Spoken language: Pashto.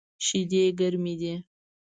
شیدې ګرمی دی